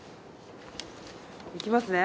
いきますね。